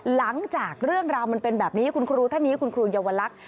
หลังจากเรื่องราวมันเป็นแบบนี้คุณครูท่านนี้คุณครูเยาวลักษณ์